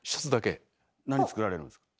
何作られるんですか？